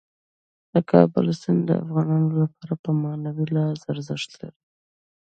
د کابل سیند د افغانانو لپاره په معنوي لحاظ ارزښت لري.